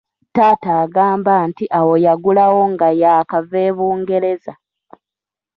Taata agamba nti awo yagulawo nga yaakava e Bungereza.